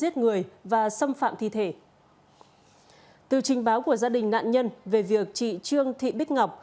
từ trình báo của gia đình nạn nhân về việc chị trương thị bích ngọc